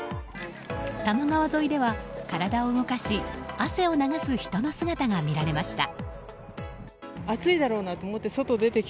多摩川沿いでは、体を動かし汗を流す人の姿が見られました。